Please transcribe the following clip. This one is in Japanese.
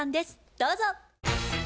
どうぞ。